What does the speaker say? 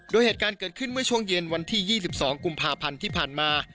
โดยเหตุการณ์เกิดขึ้นเมื่อช่วงเย็นวันที่๒๒กุมภาพันธ์ที่ผ่านมา